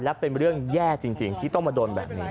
และเป็นเรื่องแย่จริงที่ต้องมาโดนแบบนี้